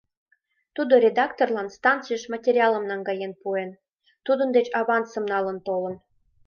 Тудо редакторлан станцийыш материалым наҥгаен пуэн, тудын деч авансымат налын толын.